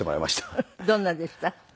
どんなでした？